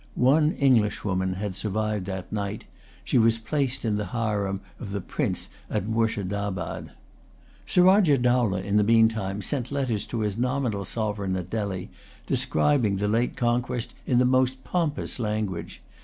One Englishwoman had survived that night. She was placed in the harem of the Prince at Moorshedabad. Surajah Dowlah, in the meantime, sent letters to his nominal sovereign at Delhi, describing the late conquest in the most pompous language.